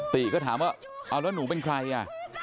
ติก็ถามว่าเอาแล้วหนูเป็นใครอ่ะ